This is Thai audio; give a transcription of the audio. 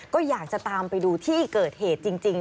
ก็อยากจะตามไปดูที่เกิดเหตุจริง